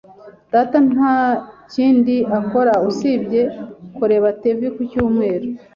Data nta kindi akora usibye kureba TV ku cyumweru.